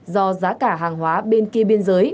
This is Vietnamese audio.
do giá cả hàng hóa bên kia biên giới